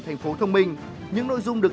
thành phố thông minh những nội dung được